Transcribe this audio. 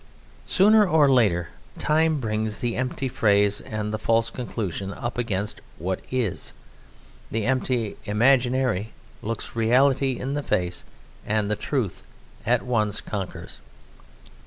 Sooner or later Time brings the empty phrase and the false conclusion up against what is; the empty imaginary looks reality in the face and the truth at once conquers.